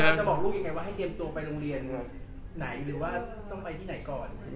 หรือว่าต้องไปที่ไหนก่อน